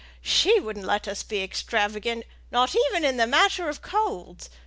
she wouldn't let us be extravagant not even in the matter of colds.